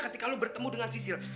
ketika lo bertemu dengan sisir